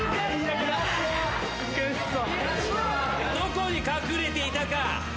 どこに隠れていたか。